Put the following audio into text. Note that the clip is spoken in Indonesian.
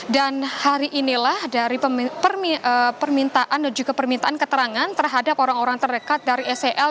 dan hari inilah dari permintaan dan juga permintaan keterangan terhadap orang orang terdekat dari sel